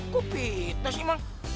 kok fitnah sih emang